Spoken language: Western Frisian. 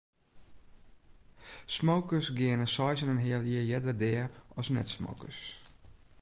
Smokers geane seis en in heal jier earder dea as net-smokers.